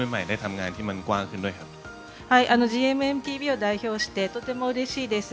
ＧＭＭＴＶを代表してとてもうれしいです。